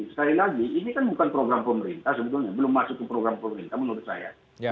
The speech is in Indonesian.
sekali lagi ini kan bukan program pemerintah sebetulnya belum masuk ke program pemerintah menurut saya